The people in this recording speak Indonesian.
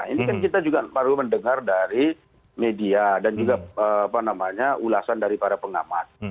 ini kan kita juga baru mendengar dari media dan juga ulasan dari para pengamat